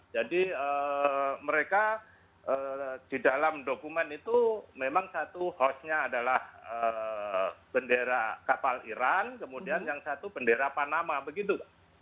jadi mereka di dalam dokumen itu memang satu hostnya adalah bendera kapal iran kemudian yang satu bendera panama begitu